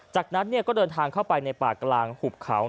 จากนั้นก็เดินทางเข้าไปในป่ากลางหุบเขา